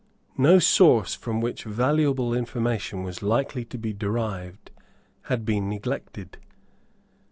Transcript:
No source from which valuable information was likely to be derived had been neglected.